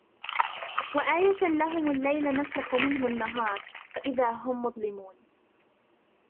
وآية لهم الليل نسلخ منه النهار فإذا هم مظلمون